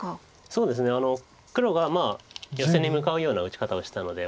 そうですね黒がヨセに向かうような打ち方をしたので。